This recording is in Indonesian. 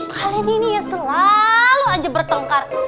kalian ini selalu aja bertengkar